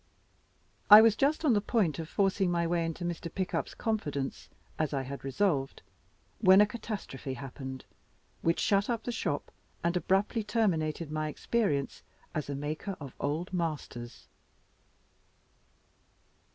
I was just on the point of forcing my way into Mr. Pickup's confidence, as I had resolved, when a catastrophe happened, which shut up the shop and abruptly terminated my experience as a maker of Old Masters.